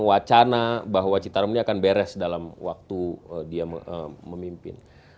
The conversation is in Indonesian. wacana bahwa citarum ini akan beres dalam waktu dia memimpin